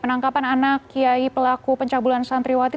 penangkapan anak kiai pelaku pencabulan santriwati